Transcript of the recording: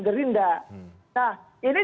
gerinda nah ini